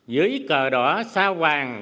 dưới cờ đỏ sao hoàng